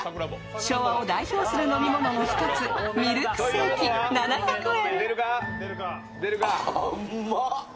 昭和を代表する飲み物の一つミルクセーキ７００円。